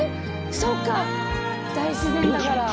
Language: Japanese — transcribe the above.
そっか大自然だから。